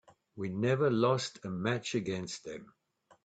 We never lost a match against them.